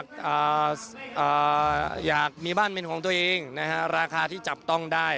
อยากมีบ้านเป็นของตัวเองนะฮะราคาที่จับต้องได้